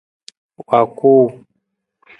Wa kuu.